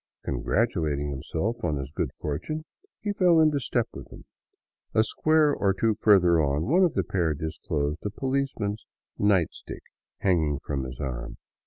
Congratulating himself on his good fortune, he fell into step with them. A square or two further on one of the pair disclosed a policeman's " night stick " hanging from his arm.